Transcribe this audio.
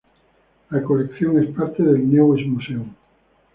La colección es parte del Neues Museum.